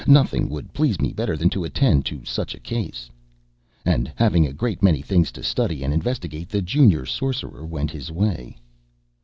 Nothing would please me better than to attend to such a case." And, having a great many things to study and investigate, the Junior Sorcerer went his way.